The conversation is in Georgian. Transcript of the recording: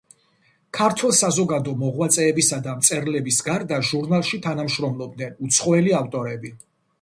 ქართველ საზოგადო მოღვაწეებისა და მწერლების გარდა ჟურნალში თანამშრომლობდნენ უცხოელი ავტორები.